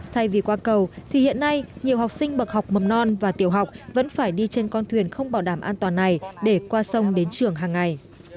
thay vì qua cầu thì hiện nay nhiều học sinh bậc học mầm non và tiểu học vẫn phải đi trên con thuyền không bảo đảm an toàn này để qua sông đến trường hàng ngày